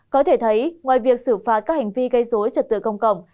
có thể thấy ngoài việc xử phạt các hành vi gây dối trật tự công cộng